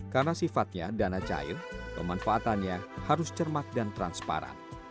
karena sifatnya dana cair pemanfaatannya harus cermat dan transparan